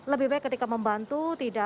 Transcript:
lebih baik ketika membantu